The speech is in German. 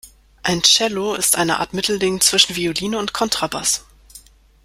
Ein Cello ist eine Art Mittelding zwischen Violine und Kontrabass.